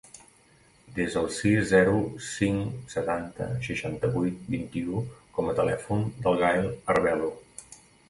Desa el sis, zero, cinc, setanta, seixanta-vuit, vint-i-u com a telèfon del Gaël Arvelo.